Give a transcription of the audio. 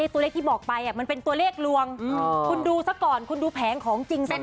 ตัวเลขที่บอกไปมันเป็นตัวเลขลวงคุณดูซะก่อนคุณดูแผงของจริงซะหน่อย